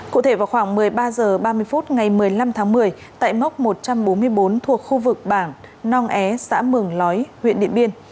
cụ thể vào khoảng một mươi ba h ba mươi phút ngày một mươi năm tháng một mươi tại mốc một trăm bốn mươi bốn thuộc khu vực bản nong é xã mường lói huyện điện biên